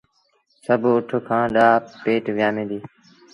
سڀ اٺ کآݩ ڏآه پيٽ ويٚآمي ديٚ۔